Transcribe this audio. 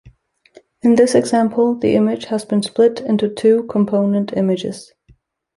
In this example, the image has been split into two component images.